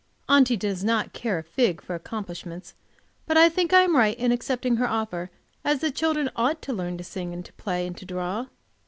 Aunty does not care a fig for accomplishments, but I think I am right in accepting her offer, as the children ought to learn to sing and to play and to draw.